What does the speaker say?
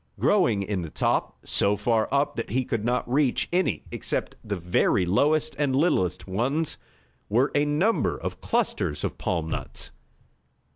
Growing in the top, so far up that he could not reach any except the very lowest, and littlest, ones, were a number of clusters of palm nuts.